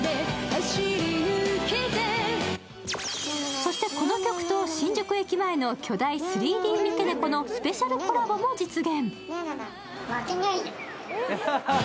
そしてこの曲と新宿駅前の巨大３Ｄ三毛猫のスペシャルコラボも実現。